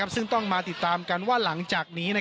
ซึ่งต้องมาติดตามกันว่าหลังจากนี้